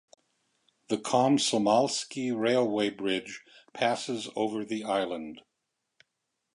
The Komsomolsky Railway Bridge passes over the island.